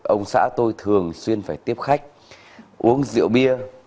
ông xã tôi thường xuyên phải tiếp khách uống rượu bia